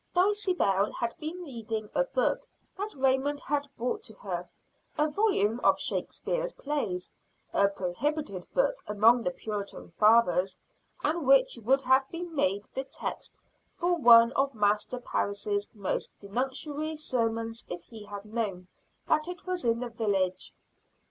Dulcibel had been reading a book that Raymond had brought to her a volume of Shakespeare's plays a prohibited book among the Puritan fathers, and which would have been made the text for one of Master Parris's most denunciatory sermons if he had known that it was in the village.